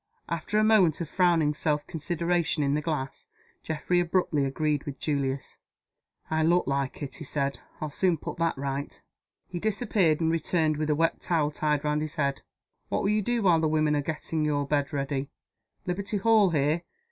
After a moment of frowning self consideration in the glass, Geoffrey abruptly agreed with Julius "I look like it," he said. "I'll soon put that right." He disappeared, and returned with a wet towel tied round his head. "What will you do while the women are getting your bed ready? Liberty Hall here.